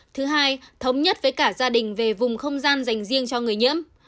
thứ hai thống nhất với cả gia đình về vùng không gian dành riêng cho người nhiễm